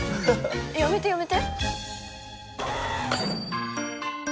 やめてやめて。